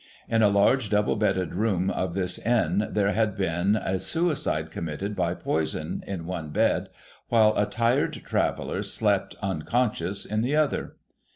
In a large double bedded room of this Inn there had been a suicide committed by poison, in one bed, while a tired loo THE HOLLY TREE traveller slept unconscious in the other.